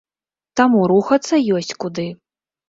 Таму рухацца ёсць куды.